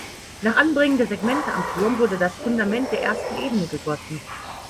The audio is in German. Nach Anbringen der Segmente am Turm wurde das „Fundament“ der ersten Ebene gegossen.